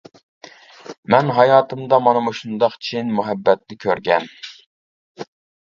مەن ھاياتىمدا مانا مۇشۇنداق چىن مۇھەببەتنى كۆرگەن.